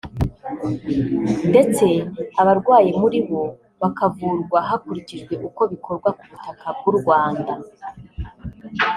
ndetse abarwaye muri bo bakavurwa hakurikijwe uko bikorwa ku butaka bw’u Rwanda